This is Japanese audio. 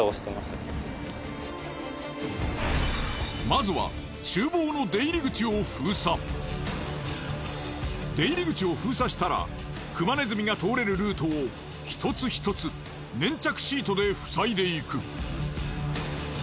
今まずは厨房の出入り口を出入り口を封鎖したらクマネズミが通れるルートを一つ一つ粘着シートでふさいでいく。